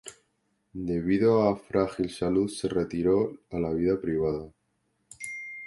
Debido a frágil salud, se retiró a la vida privada.